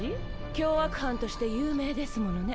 凶悪犯として有名ですものね。